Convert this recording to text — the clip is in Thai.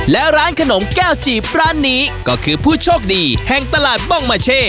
และร้านขนมแก้วจีบร้านนี้ก็คือผู้โชคดีแห่งตลาดบ้องมาเช่